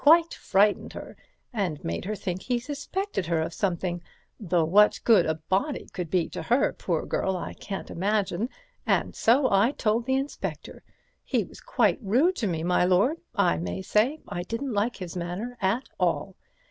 Quite frightened her, and made her think he suspected her of something, though what good a body could be to her, poor girl, I can't imagine, and so I told the inspector. He was quite rude to me, my lord—I may say I didn't like his manner at all.